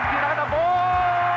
ボール！